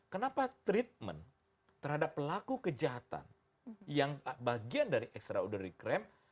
kenapa treatment terhadap pelaku kejahatan yang bagian dari extraordinary crime